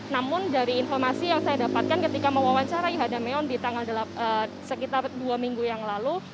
namun dari informasi yang saya dapatkan ketika mewawancarai hadameon di tanggal sekitar dua minggu yang lalu